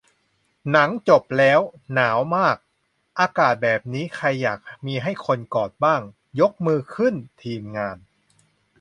หนังจบแล้ว หนาวมาก อากาศแบบนี้ ใครอยากมีคนให้กอดบ้าง ยกมือขึ้น ทีมงาน